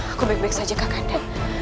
aku baik baik saja kak kanda